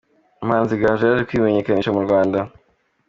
Umuhanzi gaju yaje kwimenyekanisha mu Rwanda